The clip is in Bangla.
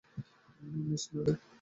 না, মিস ম্যারি।